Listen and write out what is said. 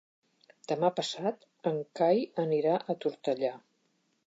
Demà passat en Cai anirà a Tortellà.